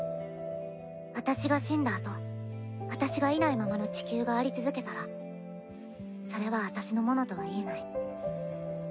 私が死んだあと私がいないままの地球があり続けたらそれは私のものとは言えない。